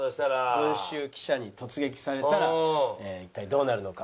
「文集」記者に突撃されたら一体どうなるのか？